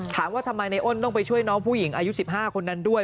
ถามว่าทำไมในอ้นต้องไปช่วยน้องผู้หญิงอายุ๑๕คนนั้นด้วย